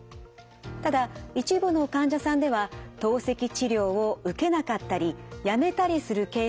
ただ一部の患者さんでは透析治療を受けなかったりやめたりするケースがあります。